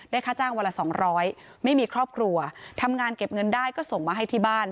ค่าจ้างวันละสองร้อยไม่มีครอบครัวทำงานเก็บเงินได้ก็ส่งมาให้ที่บ้าน